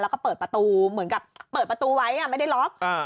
แล้วก็เปิดประตูเหมือนกับเปิดประตูไว้ไม่ได้ล็อก